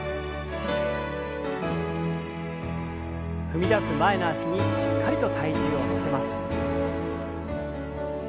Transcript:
踏み出す前の脚にしっかりと体重を乗せます。